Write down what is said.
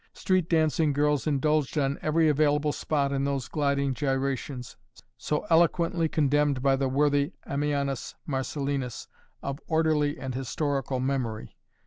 Street dancing girls indulged on every available spot in those gliding gyrations, so eloquently condemned by the worthy Ammianus Marcellinus of orderly and historical memory.